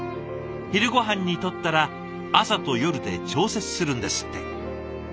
昼ごはんにとったら朝と夜で調節するんですって。